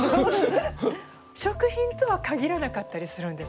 食品とは限らなかったりするんです。